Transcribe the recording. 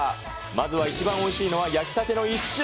まずは一番おいしいのは焼きたての一瞬。